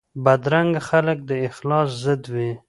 بدرنګه خلک د اخلاص ضد وي